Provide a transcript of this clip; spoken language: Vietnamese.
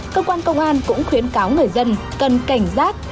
cơ quan công an cũng khuyến cáo người dân cần cảnh giác